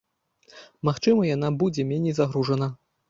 Магчыма яна будзе меней загружана.